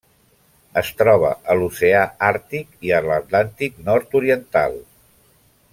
Es troba a l'oceà Àrtic i l'Atlàntic nord-oriental.